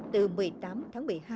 từ một mươi tám tháng một mươi hai